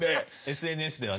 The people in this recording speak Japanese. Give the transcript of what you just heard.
ＳＮＳではね。